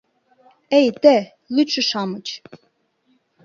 Эй те, лӱдшӧ-шамыч!..